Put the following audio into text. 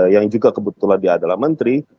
yang juga kebetulan dia adalah menteri